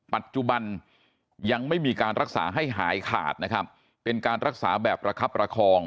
ปัจจุบันยังไม่มีการรักษาให้หายขาดนะครับเป็นการรักษาแบบระคับประคอง